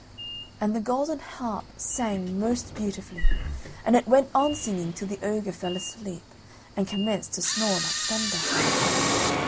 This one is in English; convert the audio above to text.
and the golden harp sang most beautifully. And it went on singing till the ogre fell asleep, and commenced to snore like thunder.